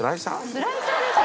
スライサーですよ